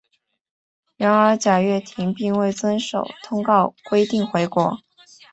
然而贾跃亭并未遵守通告规定回国。